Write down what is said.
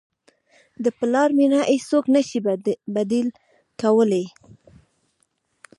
د پلار مینه هیڅوک نه شي بدیل کولی.